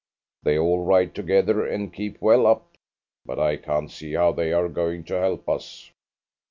They all ride together and keep well up, but I can't see how they are going to help us."